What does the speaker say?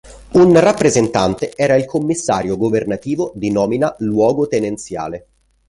Un rappresentante era il commissario governativo di nomina luogotenenziale.